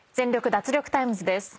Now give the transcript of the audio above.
脱力タイムズ』です。